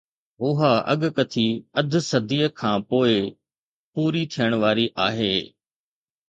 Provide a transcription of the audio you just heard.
اها اڳڪٿي اڌ صديءَ کان پوءِ پوري ٿيڻ واري آهي.